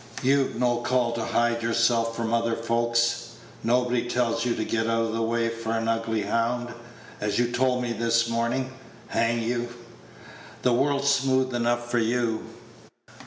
You've no call to hide yourself from other folks; nobody tells you to get out of the way for an ugly hound, as you told me this morning, hang you. The world's smooth enough for you."